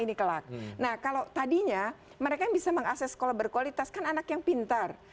nah kalau tadinya mereka yang bisa mengakses sekolah berkualitas kan anak yang pintar